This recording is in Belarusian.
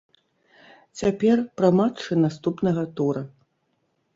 Цяпер пра матчы наступнага тура.